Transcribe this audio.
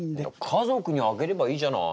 家族にあげればいいじゃない！